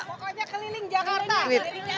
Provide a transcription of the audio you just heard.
pokoknya keliling jakarta